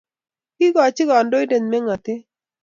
kikoch kandoindet mengotet